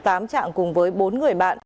trạng cùng với bốn người bạn